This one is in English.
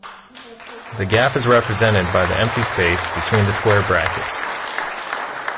The gap is represented by the empty space between the square brackets.